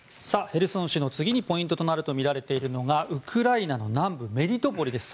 ヘルソン市の次にポイントになるとみられているのがウクライナの南部メリトポリです。